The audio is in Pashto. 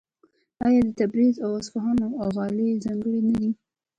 آیا د تبریز او اصفهان غالۍ ځانګړې نه دي؟